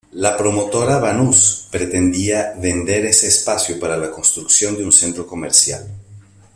La promotora Banús pretendía vender ese espacio para la construcción de un centro comercial.